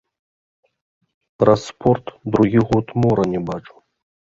Праз спорт другі год мора не бачу.